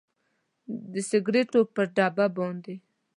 د سګریټو پر ډبه باندې